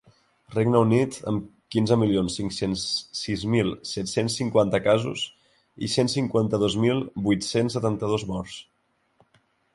Regne Unit, amb quinze milions cinc-cents sis mil set-cents cinquanta casos i cent cinquanta-dos mil vuit-cents setanta-dos morts.